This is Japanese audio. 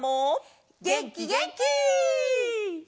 げんきげんき！